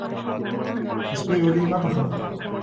د شپې ډوډۍ مه پخوه.